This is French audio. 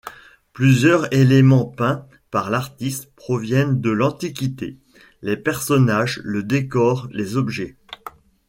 Plusieurs éléments peints par l'artiste proviennent de l'Antiquité: Les personnages, le décor, les objets.